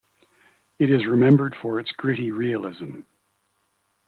It is remembered for its gritty realism.